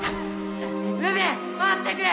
梅待ってくれ！